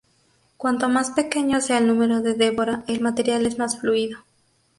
Cuanto más pequeño sea el número de Deborah, el material es más fluido.